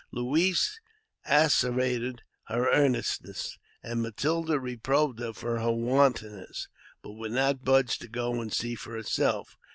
Louise asseverated her earnestness, and Matilda reproved her for her wantonness, but would not budge to go and see for herself.